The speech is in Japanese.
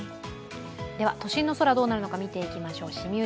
では、都心の空どうなるのか見ていきましょう。